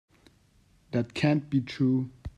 That can't be true.